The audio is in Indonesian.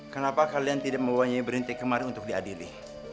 kenapa kalian tidak membahayai berintik kemarin untuk diadili